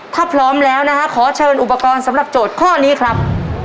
ถ้าพร้อมแล้วนะฮะขอเชิญอุปกรณ์สำหรับโจทย์ข้อนี้ครับ